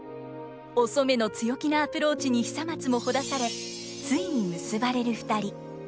お染の強気なアプローチに久松もほだされついに結ばれる２人。